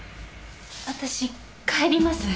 私帰ります。